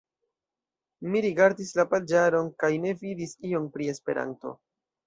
Mi rigardis la paĝaron kaj ne vidis ion pri Esperanto.